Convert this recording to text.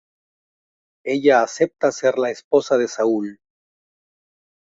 Ella acepta ser la esposa de Saúl.